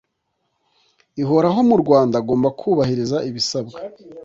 Ihoraho mu rwanda agomba kubahiriza ibisabwa